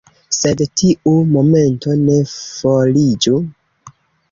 Sed tiu momento ne foriĝu.